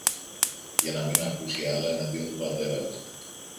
για να μην ακούσει άλλα εναντίον του πατέρα του.